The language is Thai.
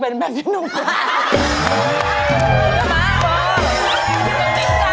พ่อเชื่อมันในตัวลูกพ่อได้